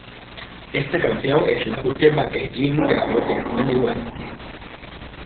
Esta canción es la última que Jim grabó con Pennywise.